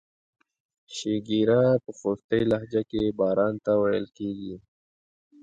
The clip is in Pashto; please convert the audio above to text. شیګیره په خوستی لهجه کې باران ته ویل کیږي.